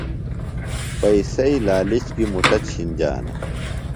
پئیسئی لالچ کیۡ مُٹہ چِھنجانہ۔